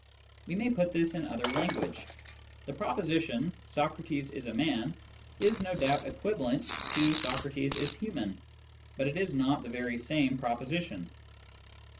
We may put this in other language. The proposition !" Socrates is a man " is no doubt equivalent to " Socrates is j human," but it is not the very same proposition.